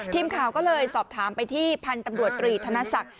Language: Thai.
ทีมข่าวก็เลยสอบถามไปที่พันธุ์ตำรวจตรีธนศักดิ์